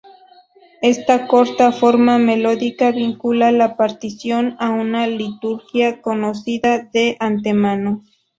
Esta corta forma melódica vincula la partición a una liturgia conocida de antemano.